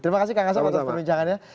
terima kasih kak kasem atas perbincangannya